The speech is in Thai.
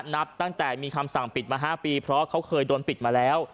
นับตั้งแต่มีคำสั่งปิดมา๕ปีเพราะเขาเคยโดนปิดมาแล้ว